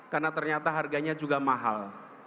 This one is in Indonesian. karena ternyata harganya juga mahal